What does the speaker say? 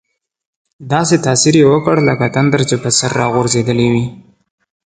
داسې تاثیر یې وکړ لکه تندر چې په سر را غورځېدلی وي.